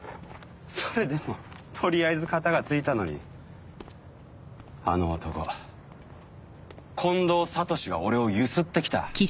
それでもとりあえず片が付いたのにあの男近藤悟史が俺をゆすってきた。